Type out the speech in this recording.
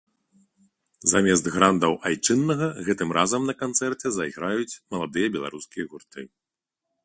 Замест грандаў айчыннага гэтым разам на канцэрце зайграюць маладыя беларускія гурты.